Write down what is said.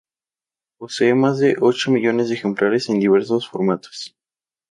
Posee más de ocho millones de ejemplares en diversos formatos.